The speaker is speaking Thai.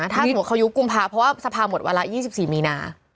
ถ้าสมมติเขายุบกุมภาพันธุ์เพราะว่าสะพาหมดวันละยี่สิบสี่มีนา